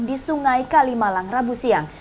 di sungai kalimalang rabu siang